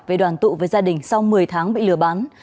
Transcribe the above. về đoàn tụ với gia đình sau một mươi tháng bị lừa bán